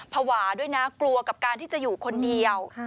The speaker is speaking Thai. ภาวะด้วยนะกลัวกับการที่จะอยู่คนเดียว